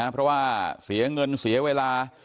เพราะว่าเสียเงินเสียเวลา